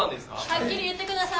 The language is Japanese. はっきり言ってください。